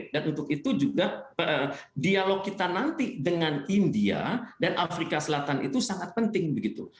dan untuk itu juga dialog kita nanti dengan india dan afrika selatan itu sangat penting begitu